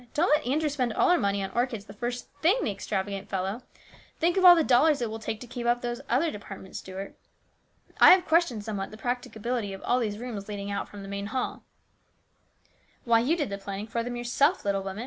" Don't let Andrew spend all our money on orchids the first thing, the extravagant fellow ! Think of all the dollars it will take to keep up these other depart ments, Stuart. I have questioned somewhat the practicability of all these rooms leading out from the main hall." STEWARDSHIP. 808 " Why, you did the planning for them yourself, little woman.